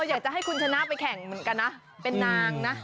อยากจะให้คุณชนะไปแข่งเหมือนกันนะเป็นนางนะ